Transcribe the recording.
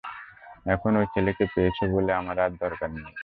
এখন ঐ ছেলেকে পেয়েছো বলে আমার আর দরকার নেই।